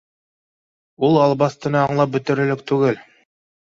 — Ул албаҫтыны аңлап бөтөрөрлөк түгел